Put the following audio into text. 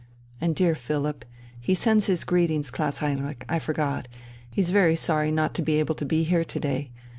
And dear Philipp.... He sends his greetings, Klaus Heinrich I forgot, he's very sorry not to be able to be here to day....